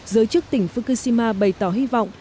giới chức tỉnh fukushima bày tỏ hy vọng